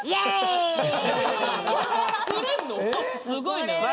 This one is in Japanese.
すごいな。